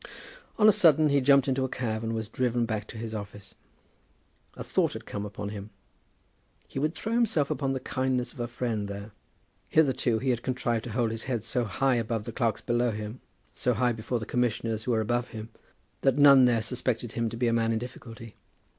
On a sudden he jumped into a cab, and was driven back to his office. A thought had come upon him. He would throw himself upon the kindness of a friend there. Hitherto he had contrived to hold his head so high above the clerks below him, so high before the Commissioners who were above him, that none there suspected him to be a man in difficulty.